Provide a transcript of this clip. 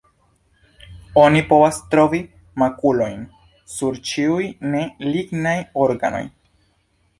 Oni povas trovi makulojn sur ĉiuj ne lignaj organoj.